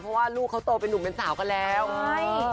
เพราะว่าลูกเค้าโตไปหนุ่มเป็นสาวก่อนแรง